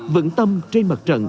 vững tâm trên mặt trận